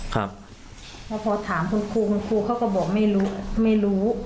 เพราะพอถามคุณครูคุณครูเขาก็บอกไม่รู้ไม่รู้